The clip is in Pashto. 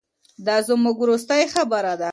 دا زموږ وروستۍ خبره ده.